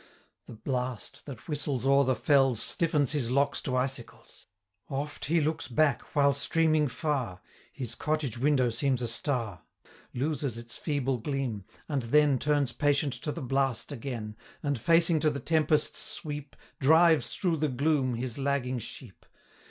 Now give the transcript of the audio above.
The blast, that whistles o'er the fells, Stiffens his locks to icicles; Oft he looks back, while streaming far, 80 His cottage window seems a star, Loses its feeble gleam, and then Turns patient to the blast again, And, facing to the tempest's sweep, Drives through the gloom his lagging sheep.